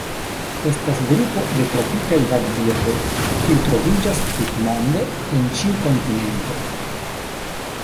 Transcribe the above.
Estas grupo de tropikaj vadbirdoj kiuj troviĝas tutmonde en ĉiu kontinento.